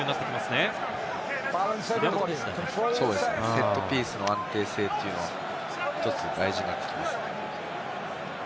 セットピースの安定性というのは１つ大事になってきますね。